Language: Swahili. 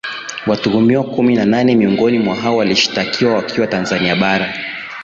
Watuhumiwa kumi na nane miongoni mwa hao walioshitakiwa wakiwa Tanzania Bara